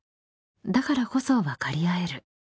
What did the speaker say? ［だからこそ分かり合える］